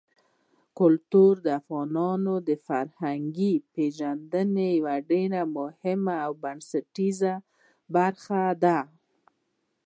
کلتور د افغانانو د فرهنګي پیژندنې یوه ډېره مهمه او بنسټیزه برخه ده.